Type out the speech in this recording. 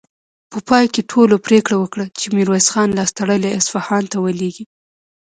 په پای کې ټولو پرېکړه وکړه چې ميرويس خان لاس تړلی اصفهان ته ولېږي.